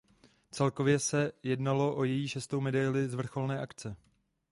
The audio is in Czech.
Celkově se jednalo o její šestou medaili z vrcholné akce.